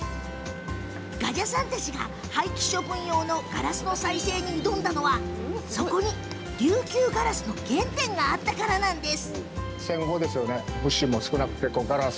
我謝さんたちが廃棄処分用のガラスの再生に挑んだのはそこに琉球ガラスの原点があったからなんです。